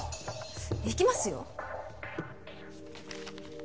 行きますよ。